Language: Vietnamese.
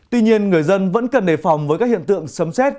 tuy nhiên người dân vẫn cần đề phòng với các hiện tượng sấm xét